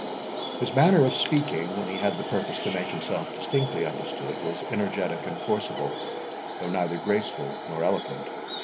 His manner of speaking, when he had the purpose to make himself distinctly understood, was energetic and forcible, though neither graceful nor eloquent.